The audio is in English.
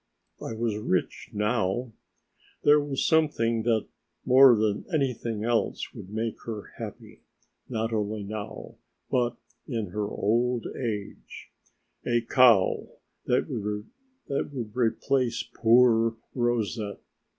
I was rich now. There was something that, more than anything else, would make her happy, not only now, but in her old age a cow that would replace poor Rousette.